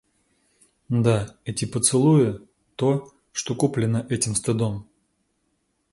Да, эти поцелуи — то, что куплено этим стыдом.